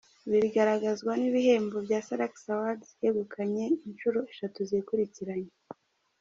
Ibi bigaragazwa n’ibihembo bya Salax Awards yegukanye inshuro eshatu yikurikiranya.